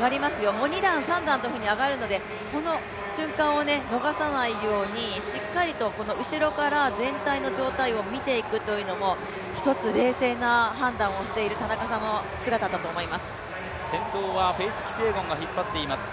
もう２段、３段と上がるので逃さないようにしっかりとこの後ろから全体の状態を見ていくというのも、１つ冷静な判断をしている田中さんの姿だと思います。